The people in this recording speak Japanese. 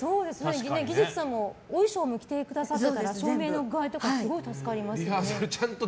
技術さんもお衣装も着てくださってたら照明の具合とかもすごい助かりますよね。